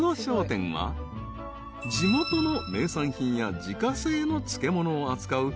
［地元の名産品や自家製の漬物を扱う］